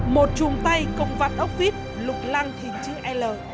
một chùm tay công vặt ốc vít lục lang hình chữ l